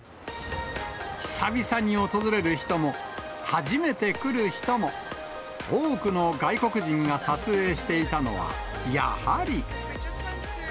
久々に訪れる人も、初めて来る人も、多くの外国人が撮影していたのは、やはり。